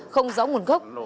không rõ nguồn gốc